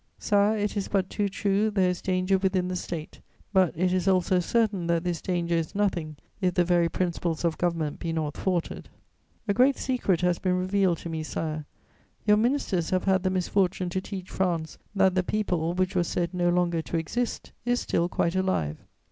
"Sire, it is but too true, there is danger within the State, but it is also certain that this danger is nothing if the very principles of government be not thwarted. "A great secret has been revealed to me, Sire: your ministers have had the misfortune to teach France that the people, which was said no longer to exist, is still quite alive.